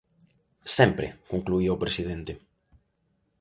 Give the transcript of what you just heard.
Sempre!, concluía o presidente.